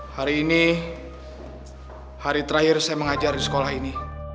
hari ini hari terakhir saya mengajar di sekolah ini